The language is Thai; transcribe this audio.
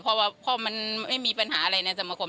เพราะว่าพ่อมันไม่มีปัญหาอะไรในสมคม